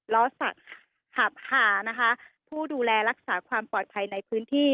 สักหาบหานะคะผู้ดูแลรักษาความปลอดภัยในพื้นที่